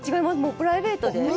プライベートで。